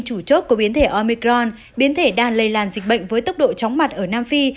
chủ chốt của biến thể omicron biến thể đang lây lan dịch bệnh với tốc độ chóng mặt ở nam phi